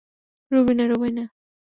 Ruby না, রুবাইনা।